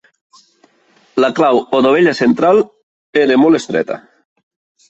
La clau o dovella central era molt estreta.